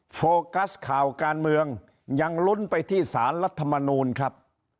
โฟกัสข่าวการเมืองยังลุ้นไปที่สารรัฐมนูลครับ